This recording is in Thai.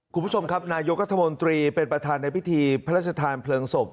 คุณผู้ชมครับนายกรัฐมนตรีเป็นประธานในพิธีพระราชทานเพลิงศพ